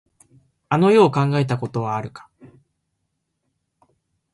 あの世を考えたことはあるか。